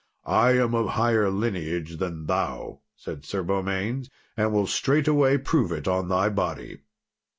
"I am of higher lineage than thou," said Sir Beaumains, "and will straightway prove it on thy body."